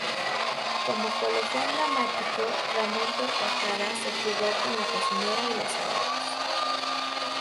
Como colofón dramático, Ramón Tortajada se fugó con la cocinera y los ahorros.